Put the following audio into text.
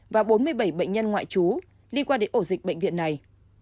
và bốn mươi bảy bệnh nhân ngoại trú liên quan đến ổ dịch bệnh viện này